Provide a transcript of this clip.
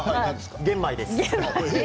玄米です。